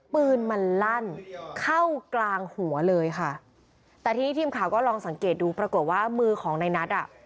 ปืนมันลั่นเข้ากลางหัวเลยค่ะแต่ทีนี้ทีมข่าวก็ลองสังเกตดูปรากฏว่ามือของในนัทอ่ะ